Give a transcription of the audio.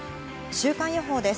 週間予報です。